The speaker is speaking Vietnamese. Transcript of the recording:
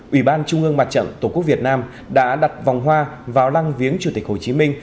ủy ban trung ương mặt trận tổ quốc việt nam đã đặt vòng hoa vào lăng viếng chủ tịch hồ chí minh